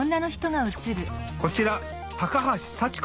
こちら高橋幸子